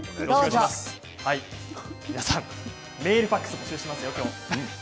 皆さんメール、ファックス募集しますよ。